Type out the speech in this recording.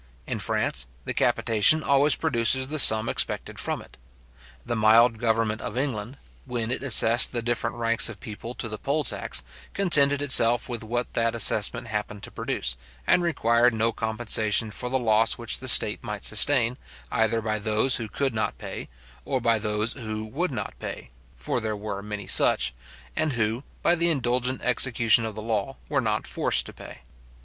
In France, the capitation always produces the sum expected from it. The mild government of England, when it assessed the different ranks of people to the poll tax, contented itself with what that assessment happened to produce, and required no compensation for the loss which the state might sustain, either by those who could not pay, or by those who would not pay (for there were many such), and who, by the indulgent execution of the law, were not forced to pay.